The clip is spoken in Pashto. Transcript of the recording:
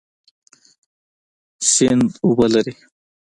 سیند اوبه لري